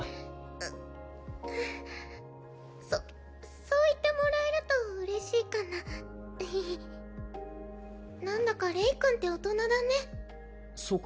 ううんそそう言ってもらえると嬉しいかなエヘヘ何だかレイ君って大人だねそうか？